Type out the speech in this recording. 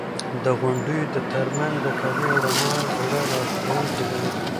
د غونډیو تر منځ د کعبې رڼا زړه راښکونکې ده.